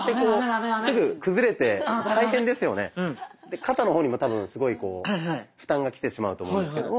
肩の方にも多分すごいこう負担がきてしまうと思うんですけども。